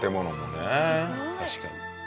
確かに。